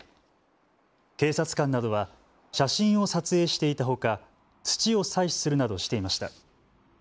警察官などは写真を撮影していたほか土を採取するなどしていました。